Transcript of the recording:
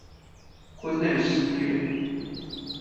婚內失戀